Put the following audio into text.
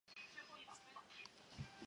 本循环于比利时鲁汶举行。